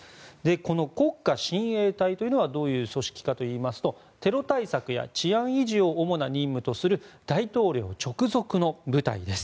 この国家親衛隊というのはどういう組織かといいますとテロ対策や治安維持を主な任務とする大統領直属の部隊です。